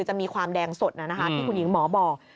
จะมีความแดงสดที่คุณหญิงหมอบอก